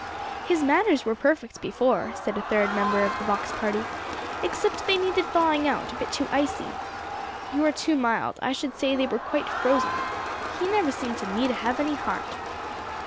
"His manners were perfect before," said a third member of the box party, "except they needed thawing out a bit too icy." "You are too mild. I should say they were quite frozen. He never seemed to me to have any heart."